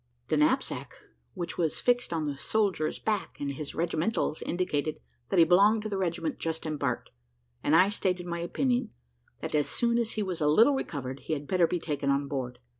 The knapsack which was fixed on the soldiers back, and his regimentals, indicated that he belonged to the regiment just embarked; and I stated my opinion, that as soon as he was a little recovered, he had better be taken on board.